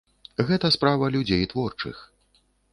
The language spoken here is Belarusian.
Гэта справа людзей творчых.